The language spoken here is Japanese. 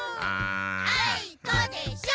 あいこでしょ！